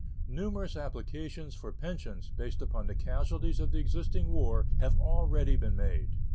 Numerous applications for pensions, based upon the casualties of the existing war, have already been made.